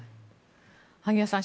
萩谷さん